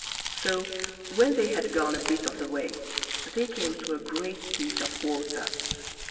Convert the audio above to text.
So, when they had gone a bit of the way, they came to a great piece of water.